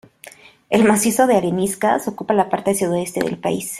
El macizo de areniscas ocupa la parte sudoeste del país.